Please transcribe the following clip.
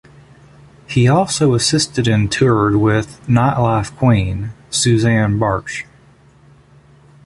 He also assisted and toured with the "Nightlife Queen", Susanne Bartsch.